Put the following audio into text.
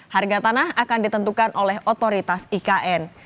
harga tanah akan ditentukan oleh otoritas ikn